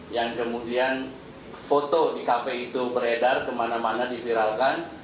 yang kemudian foto di kafe itu beredar kemana mana diviralkan